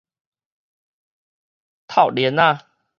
挩鍊仔